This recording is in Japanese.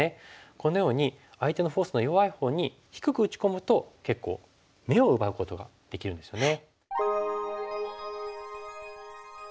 このように相手のフォースの弱いほうに低く打ち込むと結構眼を奪うことができるんですよね。